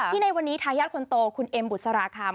ในวันนี้ทายาทคนโตคุณเอ็มบุษราคำ